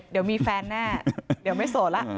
เดี๋ยวมีแฟนแน่เดี๋ยวไม่โสดแล้ว